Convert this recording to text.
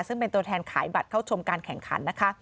ซึ่งเป็นตัวแทนขายบัตรเข้าชมการแข่งขันนะคะ